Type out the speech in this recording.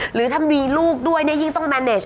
หรือถ้ามีลูกด้วยเนี่ยยิ่งต้องแมนเนช